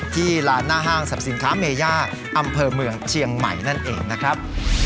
ลานหน้าห้างสรรพสินค้าเมย่าอำเภอเมืองเชียงใหม่นั่นเองนะครับ